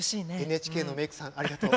ＮＨＫのメークさんありがとう。